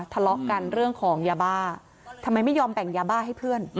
ทะเลาะกันเรื่องของยาบ้าทำไมไม่ยอมแบ่งยาบ้าให้เพื่อน